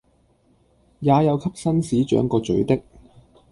也有給紳士掌過嘴的，